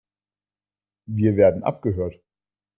Wir werden abgehört.